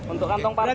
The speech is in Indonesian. untuk kantong pariwak